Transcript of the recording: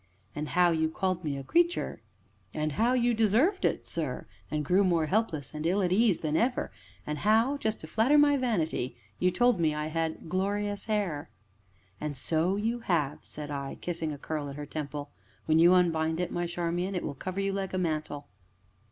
"And how you called me a 'creature'?" "And how you deserved it, sir and grew more helpless and ill at ease than ever, and how just to flatter my vanity you told me I had 'glorious hair'?" "And so you have," said I, kissing a curl at her temple; "when you unbind it, my Charmian, it will cover you like a mantle."